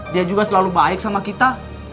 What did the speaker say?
dia juga selalu baik sama kita